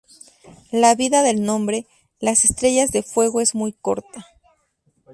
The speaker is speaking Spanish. La vida del nombre Las Estrellas de Fuego es muy corta.